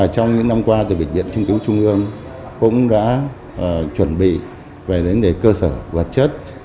trong những năm qua bệnh viện trưng cứu trung ương cũng đã chuẩn bị về đến cơ sở vật chất